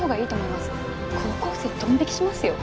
高校生ドン引きしますよ。